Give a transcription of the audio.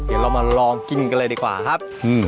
เดี๋ยวเรามาลองกินกันเลยดีกว่าครับ